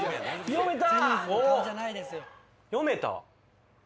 読めた。